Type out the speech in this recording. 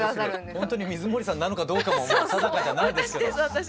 ほんとに水森さんなのかどうかも定かじゃないですけど。